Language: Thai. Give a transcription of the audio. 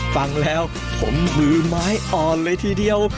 ฟังแล้วผมมือไม้อ่อนเลยทีเดียว